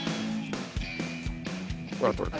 ほら取れた。